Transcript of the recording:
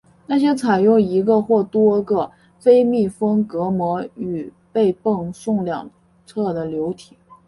那些采用一个或多个非密封隔膜与被泵送两侧的流体。